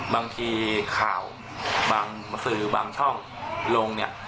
บางทีข่าวบางสื่อบางช่องลงเนี่ย